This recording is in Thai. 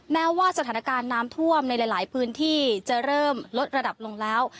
แม้ว่าสถานการณ์น้ำท่วมในหลายพื้นที่จะเริ่มลดระดับลงแล้ว